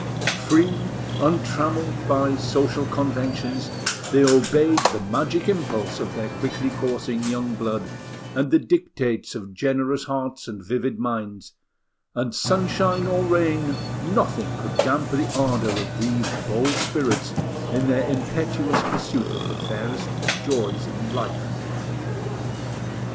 Free, untrammelled by social conventions, they obeyed the magic impulse of their quickly coursing young blood and the dictates of generous hearts and vivid minds; and, sunshine or rain, nothing could damp the ardour of these bold spirits in their impetuous pursuit of the fairest joys of life.